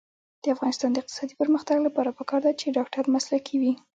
د افغانستان د اقتصادي پرمختګ لپاره پکار ده چې ډاکټر مسلکي وي.